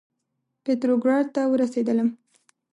پتروګراډ ته ورسېدلم.